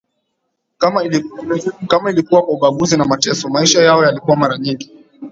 kama ilikuwa kwa ubaguzi na mateso Maisha yao yalikuwa mara nyingi